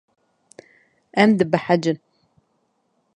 Em dibehecin.